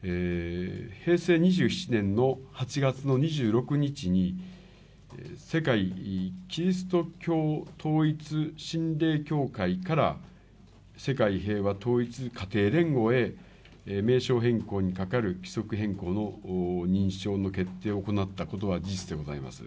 平成２７年の８月の２６日に、世界基督教統一神霊協会から、世界平和統一家庭連合へ名称変更に係る規則変更の認証の決定を行ったことは事実でございます。